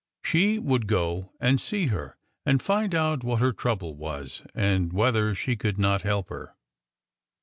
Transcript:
She would go and see her and find out what her trouble was and whether she could not help her.